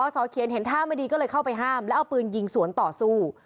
สอเขียนเห็นท่าไม่ดีก็เลยเข้าไปห้ามแล้วเอาปืนยิงสวนต่อสู้